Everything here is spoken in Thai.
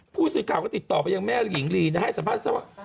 ผู้สื่อข่าวก็ติดต่อไปยังแม่หญิงลีนะฮะให้สัมภาษณ์ซะว่า